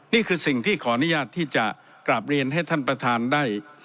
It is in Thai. นี่คือสิ่งที่ขออนุญาตที่จะกราบเรียนให้ท่านประธานได้